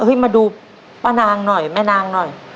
มาดูป้านางหน่อยแม่นางหน่อย